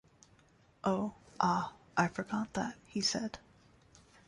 ‘Oh, ah, I forgot that,’ he said.